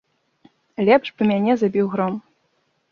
Лепш бы мяне забіў гром.